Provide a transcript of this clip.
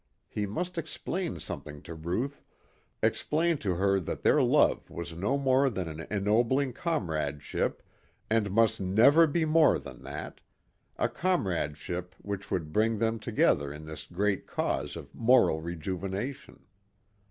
He must explain something to Ruth, explain to her that their love was no more than an ennobling comradeship and must never be more than that, a comradeship which would bring them together in this great cause of moral rejuvenation.